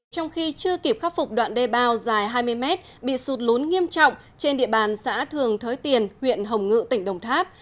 trong khi chưa kịp khắc phục đoạn đê bao dài hai mươi mét bị sụt lún nghiêm trọng trên địa bàn xã thường thới tiền huyện hồng ngự tỉnh đồng tháp